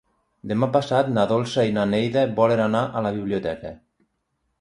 Demà passat na Dolça i na Neida volen anar a la biblioteca.